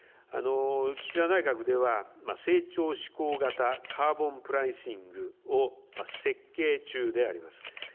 岸田内閣では成長志向型カーボンプライシングを設計中であります。